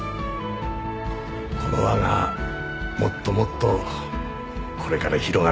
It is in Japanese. この輪がもっともっとこれから広がるといいね。